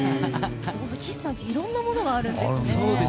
岸さんちいろんなものがあるんですね。